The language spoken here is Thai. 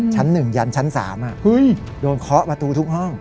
ชั้นหนึ่งยันชั้นสามอะเฮ้ยโดนเคาะประตูทุกห้อง